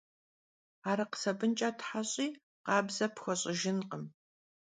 Arıkh sabınç'e theş'i khabze pxueş'ıjjınkhım.